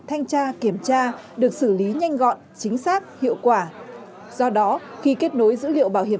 thanh tra kiểm tra được xử lý nhanh gọn chính xác hiệu quả do đó khi kết nối dữ liệu bảo hiểm